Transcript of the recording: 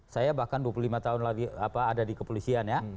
saya bahkan dua puluh lima tahun lagi ada di kepolisian ya